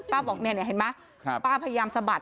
ป้าบอกเนี่ยเนี่ยเห็นไหมครับป้าพยายามสะบัด